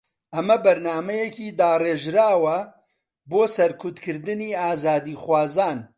ئەمە بەرنامەیەکی داڕێژراوە بۆ سەرکوتکردنی ئازادیخوازان